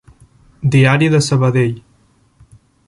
Diari de Sabadell.